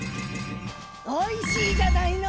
おいしいじゃないの！